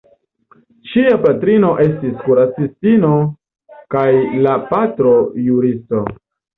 Ŝia patrino estis kuracistino kaj la patro juristo.